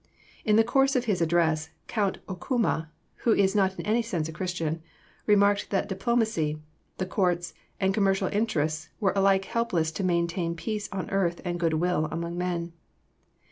In the course of his address, Count Okuma, who is not in any sense a Christian, remarked that diplomacy, the courts, and commercial interests were alike helpless to maintain peace on earth and good will among men.